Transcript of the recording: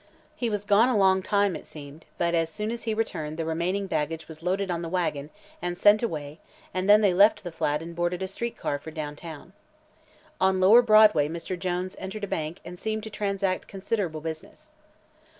He was gone a long time, it seemed, but as soon as he returned the remaining baggage was loaded on the wagon and sent away and then they left the flat and boarded a street car for down town. On lower Broadway Mr. Jones entered a bank and seemed to transact considerable business.